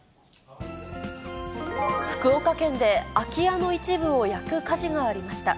福岡県で空き家の一部を焼く火事がありました。